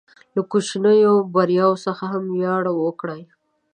له کوچنیو بریاوو څخه هم ویاړ وکړئ.